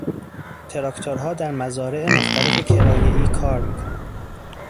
تراکتورها در مزارع مختلف کرایهای کار میکنند.